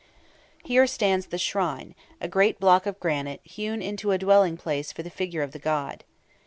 Here stands the shrine, a great block of granite, hewn into a dwelling place for the figure of the god.